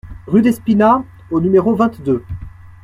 Rue Despinas au numéro vingt-deux